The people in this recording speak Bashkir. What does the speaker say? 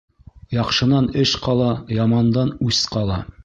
Яҡшынан эш ҡала, ямандан үс ҡала.